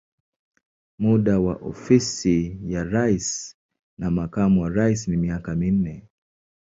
Muda wa ofisi ya rais na makamu wa rais ni miaka minne.